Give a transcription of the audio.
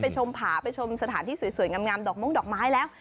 ชมผาไปชมสถานที่สวยงามดอกมุ้งดอกไม้แล้ว